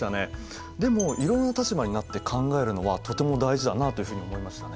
でもいろいろな立場になって考えるのはとても大事だなというふうに思いましたね。